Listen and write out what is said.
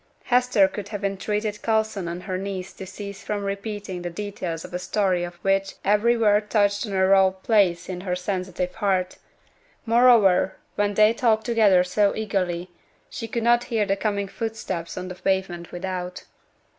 Hester could have entreated Coulson on her knees to cease from repeating the details of a story of which every word touched on a raw place in her sensitive heart; moreover, when they talked together so eagerly, she could not hear the coming footsteps on the pavement without.